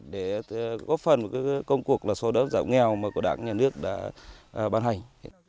để góp phần công cuộc là số đớp giảm nghèo mà có đáng nhà nước đã ban hành